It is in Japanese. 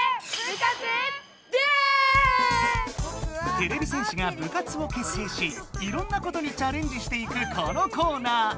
てれび戦士が部活を結成しいろんなことにチャレンジしていくこのコーナー。